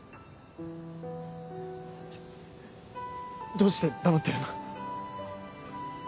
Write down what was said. どうして黙ってるの？